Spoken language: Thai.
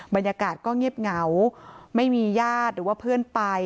บรรยากาศก็เงียบเหงาไม่มีญาติหรือว่าเพื่อนไป